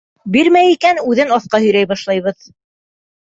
Бирмәй икән, үҙен аҫҡа һөйрәй башлайбыҙ.